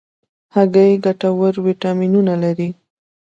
هګۍ ګټور ویټامینونه لري.